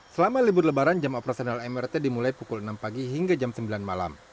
selama libur lebaran jam operasional mrt dimulai pukul enam pagi hingga jam sembilan malam